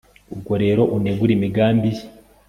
ubwo rero unegura imigambi ye